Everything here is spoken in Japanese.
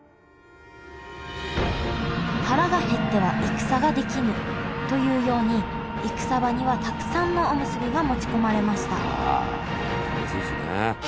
「腹が減っては戦ができぬ」というように戦場にはたくさんのおむすびが持ち込まれました食べやすいしね。